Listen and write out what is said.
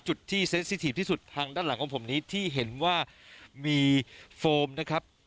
จุดที่ที่สุดทางด้านหลังของผมนี้ที่เห็นว่ามีนะครับ